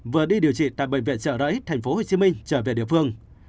vừa đi điều trị tại bệnh viện trợ rẫy tp hcm trở về địa phương